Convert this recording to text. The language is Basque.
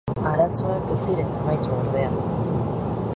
Arazoak ez ziren amaitu, ordea.